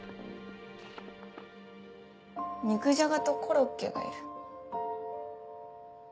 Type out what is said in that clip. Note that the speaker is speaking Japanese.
肉じゃがとコロッケがいる。